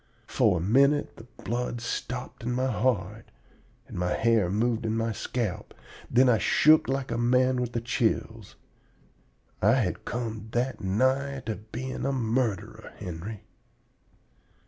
For a minute the blood stopped in my heart and my hair moved in my scalp; then I shook like a man with the chills. I had come that nigh being a murderer, Henry!